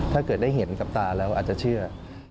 ถ้าเกิดได้เห็นกับตาแล้วอาจจะเชื่อ